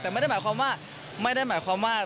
แต่ไม่ได้หมายความว่า